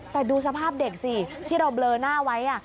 แต่ดูสภาพเด็กสิที่เราเบลอหน้าไว้